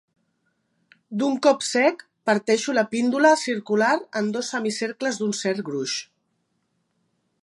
D'un cop sec parteixo la píndola circular en dos semicercles d'un cert gruix.